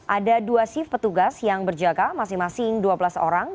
ada dua shift petugas yang berjaga masing masing dua belas orang